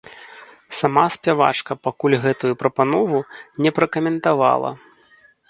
Сама спявачка пакуль гэтую прапанову не пракаментавала.